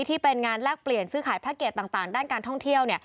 ที่เป็นงานแลกเปลี่ยนซื้อขายแพ็คเกจต่างด้านการท่องเที่ยว